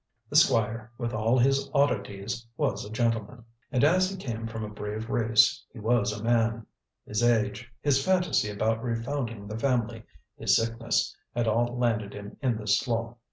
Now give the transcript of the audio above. The Squire, with all his oddities, was a gentleman, and as he came from a brave race he was a man. His age, his fantasy about refounding the family, his sickness, had all landed him in this slough.